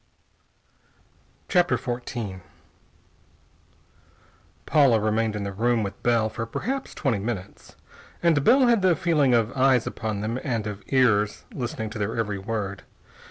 CHAPTER XIV Paula remained in the room with Bell for perhaps twenty minutes, and Bell had the feeling of eyes upon them and of ears listening to their every word.